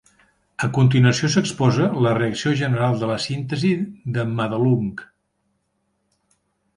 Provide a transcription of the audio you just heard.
A continuació s'exposa la reacció general de la síntesi de Madelung.